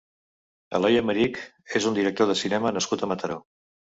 Eloi Aymerich és un director de cinema nascut a Mataró.